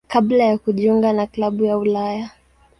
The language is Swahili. kabla ya kujiunga na klabu ya Ulaya.